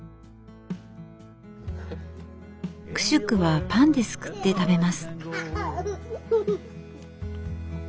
クシュクはパンですくって食べます。